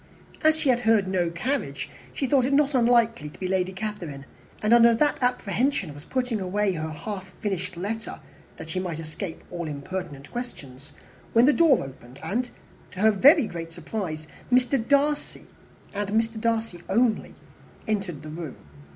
As she had heard no carriage, she thought it not unlikely to be Lady Catherine; and under that apprehension was putting away her half finished letter, that she might escape all impertinent questions, when the door opened, and to her very great surprise Mr. Darcy, and Mr. Darcy only, entered the room.